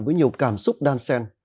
với nhiều cảm xúc đan xen